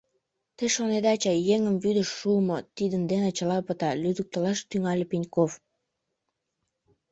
Те шонеда чай, еҥым вӱдыш шуымо, тидын дене чыла пыта, — лӱдыктылаш тӱҥале Пеньков.